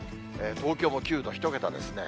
東京も９度、１桁ですね。